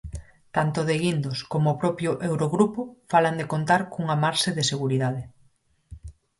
Tanto De Guindos como o propio Eurogrupo falan de contar cunha "marxe de seguridade".